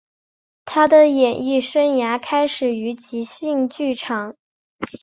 他的演艺生涯开始于即兴剧场。